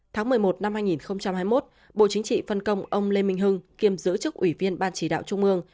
tháng một mươi một năm hai nghìn hai mươi một bộ chính trị phân công ông lê minh hưng kiêm giữ chức ủy viên ban chỉ đạo trung ương